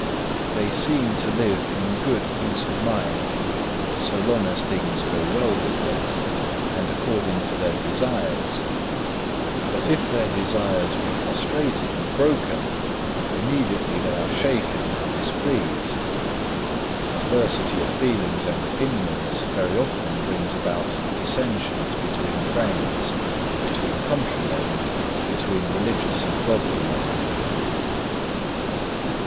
They seem to live in good peace of mind so long as things go well with them, and according to their desires, but if their desires be frustrated and broken, immediately they are shaken and displeased. Diversity of feelings and opinions very often brings about dissensions between friends, between countrymen, between religious and godly men.